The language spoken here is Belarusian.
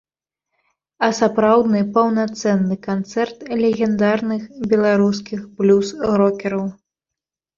А сапраўдны паўнацэнны канцэрт легендарных беларускіх блюз-рокераў.